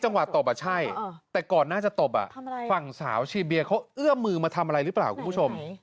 ตบอ่ะใช่แต่ก่อนหน้าจะตบฝั่งสาวชีเบียเขาเอื้อมมือมาทำอะไรหรือเปล่าคุณผู้ชม